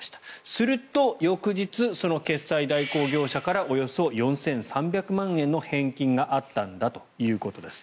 すると、翌日その決済代行業者からおよそ４３００万円の返金があったんだということです。